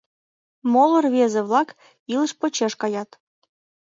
Моло рвезе-влак илыш почеш каят...